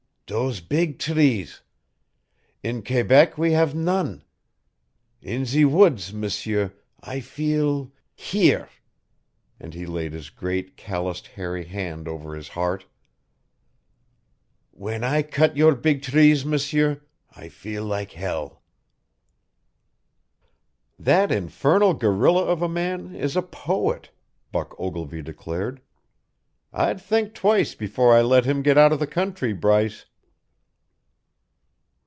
"Dose beeg trees! In Quebec we have none. In zee woods, M'sieur, I feel here!" And he laid his great calloused, hairy hand over his heart. "W'en I cut your beeg trees, M'sieur, I feel like hell." "That infernal gorilla of a man is a poet," Buck Ogilvy declared. "I'd think twice before I let him get out of the country, Bryce."